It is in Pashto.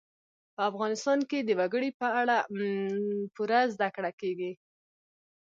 په افغانستان کې د وګړي په اړه پوره زده کړه کېږي.